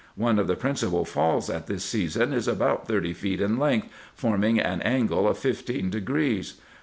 One of the principal falls at tins season is about thirty feet in length, forming an angle of fifteen degrees.